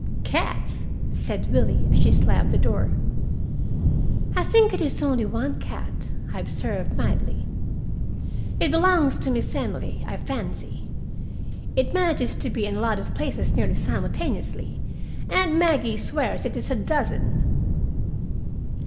"Cats!" said Willie, as she slammed the door. "I think it is only one cat," I observed mildly. "It belongs to Miss Emily, I fancy. It manages to be in a lot of places nearly simultaneously, and Maggie swears it is a dozen."